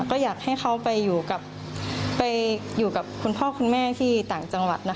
ก็อยากให้เขาไปอยู่กับคุณพ่อคุณแม่ที่ต่างจังหวัด